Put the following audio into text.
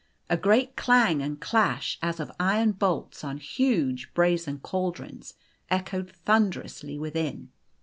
A great clang and clash, as of iron bolts on huge brazen cal drons, echoed thunderously within.